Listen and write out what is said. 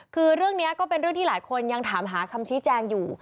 คือเรื่องนี้ก็เป็นเรื่องที่หลายคนยังถามหาคำชี้แจงอยู่